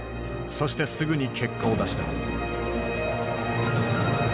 そしてすぐに結果を出した。